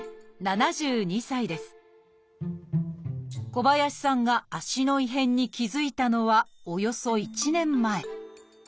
小林さんが足の異変に気付いたのはおよそ１年前。